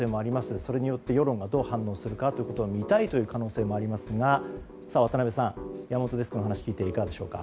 それによって世論がどう反応するか見たいという可能性もありますが渡辺さん山本デスクの話を聞いていかがでしょうか？